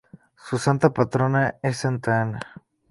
Su santa patrona es santa Ana.